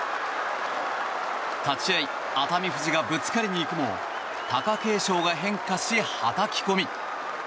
立ち合い熱海富士がぶつかりに行くも貴景勝が変化し、はたき込み。